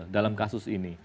dalam kasus ini